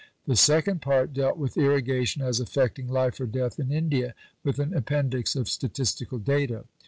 The second Part dealt with Irrigation as affecting Life or Death in India, with an appendix of statistical data.